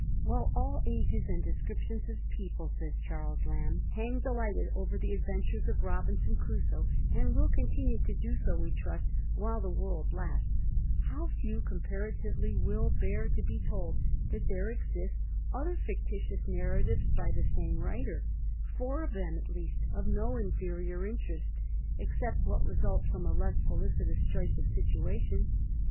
" While all ages and descriptions of people," says Charles Lamb, "hang delighted over the adventures of Robinson Crusoe, and will continue to do so, we trust, while the world lasts, how few comparatively will bear to be told that there exist other fictitious narra tives by the same writer — four of them at least of no in ferior interest, except what results from a less felicitous choice of situation.